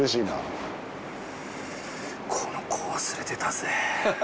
この子忘れてたですね。